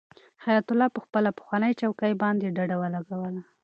حیات الله په خپله پخوانۍ چوکۍ باندې ډډه ولګوله.